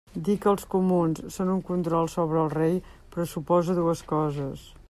Dir que els comuns són un control sobre el rei pressuposa dues coses.